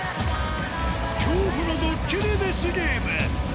恐怖のドッキリデスゲーム。